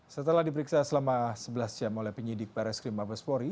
setelah diperiksa selama sebelas jam oleh penyidik bar s krimabespori